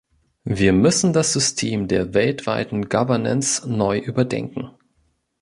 Wir müssen das System der weltweiten Governance neu überdenken.